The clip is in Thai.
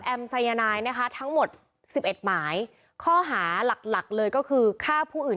แอมไซยานายนะคะทั้งหมด๑๑หมายข้อหาหลักเลยก็คือฆ่าผู้อื่น